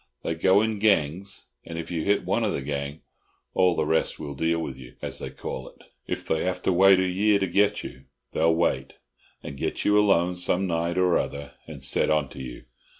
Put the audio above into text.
They go in gangs, and if you hit one of the gang, all the rest will 'deal with you,' as they call it. If they have to wait a year to get you, they'll wait, and get you alone some night or other and set on to you.